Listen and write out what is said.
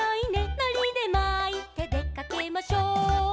「のりでまいてでかけましょう」